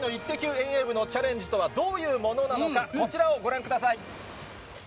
遠泳部のチャレンジとは、どういうものなのか、こちらをご覧ください。